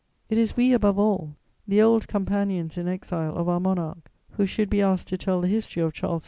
"It is we above all, the old companions in exile of our Monarch, who should be asked to tell the history of Charles X.